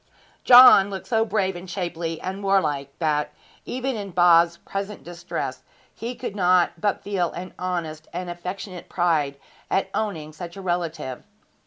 John looked so brave and shapely and warlike that, even in Bob's present distress, he could not but feel an honest and affectionate pride at owning such a relative.